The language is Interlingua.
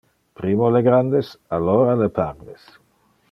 Primo le grandes, alora le parves.